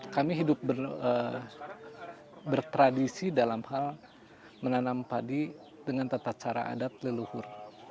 kami hidup bertradisi dalam hal menanam padi dengan tata cara adat leluhur